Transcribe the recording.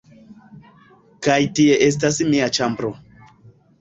Kaj tie estas mia ĉambro